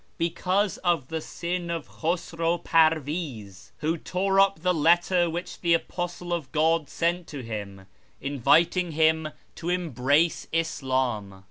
Because of the sin of Khusraw Parviz, wlio tore up the letter which the Apostle of God sent to him, inviting him to embrace Islam.